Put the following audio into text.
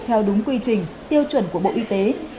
theo đúng quy trình tiêu chuẩn của bộ y tế